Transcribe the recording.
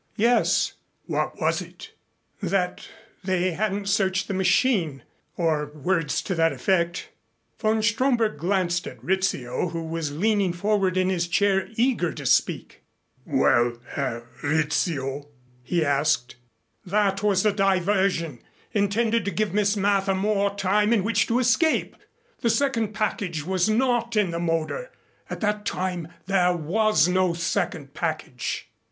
"Yes." "What was it?" "That they hadn't searched the machine or words to that effect." Von Stromberg glanced at Rizzio, who was leaning forward in his chair, eager to speak. "Well, Herr Rizzio?" he asked. "That was a diversion intended to give Miss Mather more time in which to escape. The second package was not in the motor. At that time there was no second package."